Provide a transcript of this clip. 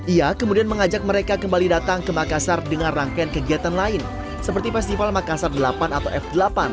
ia kemudian mengajak mereka kembali datang ke makassar dengan rangkaian kegiatan lain seperti festival makassar delapan atau f delapan